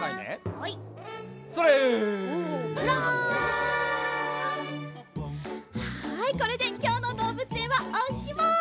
はいこれできょうのどうぶつえんはおしまい。